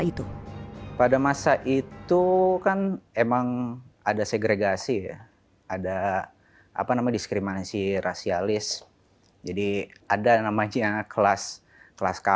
itu pada masa itu kan emang ada segregasi ada apa nama diskrimansi rasialis jadi ada namanya kelas